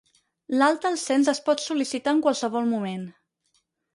L'alta al Cens es pot sol·licitar en qualsevol moment.